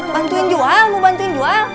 bantuin jual mau bantuin jual